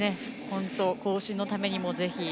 後進のためにもぜひ。